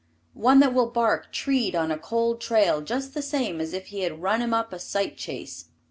One that will bark treed on a cold trail just the same as if he had run him up a sight chase.